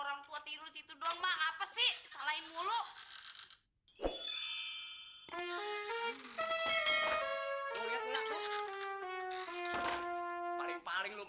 pokoknya lo tidur pulas dah sampai ngiler